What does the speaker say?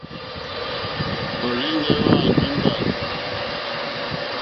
Òrzìɲɛ́ hwá àndè mbàrzì.